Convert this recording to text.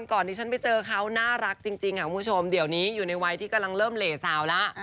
เข้ามาเอิ้งเฟ้น